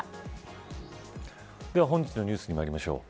では本日のニュースにまいりましょう。